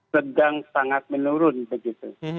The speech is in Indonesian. sedang sangat menurun begitu